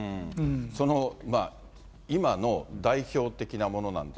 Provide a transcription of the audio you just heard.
その今の代表的なものなんて。